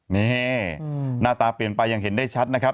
นี่หน้าตาเปลี่ยนไปอย่างเห็นได้ชัดนะครับ